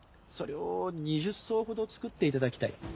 それを２０艘ほど作っていただきたい。